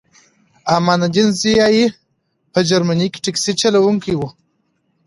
امان الدین ضیایی په جرمني کې ټکسي چلوونکی و